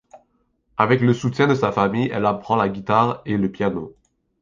Avec le soutien de sa famille, elle apprend la guitare et le piano.